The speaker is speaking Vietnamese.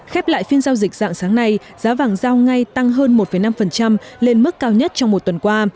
khép lại phiên giao dịch dạng sáng nay giá vàng giao ngay tăng hơn một năm lên mức cao nhất trong một tuần qua